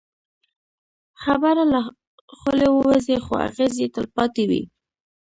خبره له خولې ووځي، خو اغېز یې تل پاتې وي.